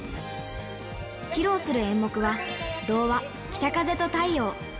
披露する演目は、童話、北風と太陽。